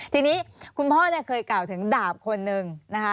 ทีนี้คุณพ่อเคยเก่าถึงดาบคนหนึ่งนะคะ